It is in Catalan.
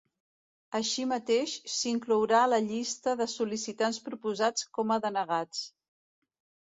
Així mateix, s'inclourà la llista de sol·licitants proposats com a denegats.